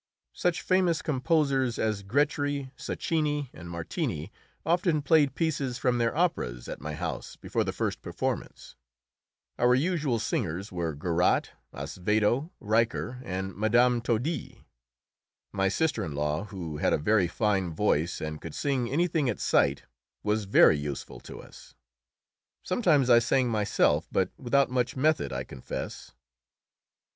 Such famous composers as Grétry, Sacchini, and Martini often played pieces from their operas at my house before the first performance. Our usual singers were Garat, Asvedo, Richer, and Mme. Todi. My sister in law, who had a very fine voice and could sing anything at sight, was very useful to us. Sometimes I sang myself, but without much method, I confess.